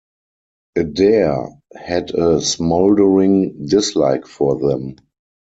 Adair had a smouldering dislike for them.